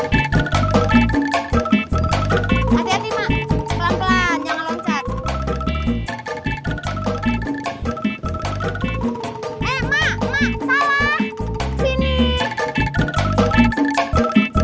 pelan pelan jangan loncat